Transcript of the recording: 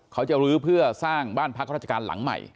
เขาจะลื้อเพื่อสร้างบ้านพักราชการหลังใหม่